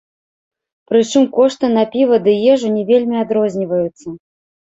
Прычым кошты на піва ды ежу не вельмі адрозніваюцца.